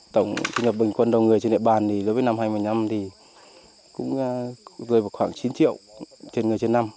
tổng thu nhập bình quân đầu người trên địa bàn thì đối với năm hai nghìn một mươi năm thì cũng rơi vào khoảng chín triệu trên người trên năm